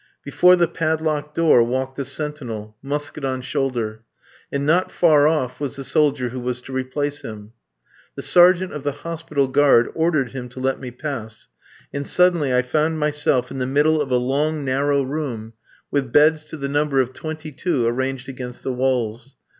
Before the padlocked door walked a sentinel, musket on shoulder; and not far off was the soldier who was to replace him. The sergeant of the hospital guard ordered him to let me pass, and suddenly I found myself in the middle of a long narrow room, with beds to the number of twenty two arranged against the walls.